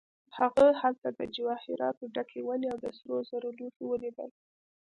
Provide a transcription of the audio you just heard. هغه هلته د جواهراتو ډکې ونې او د سرو زرو لوښي ولیدل.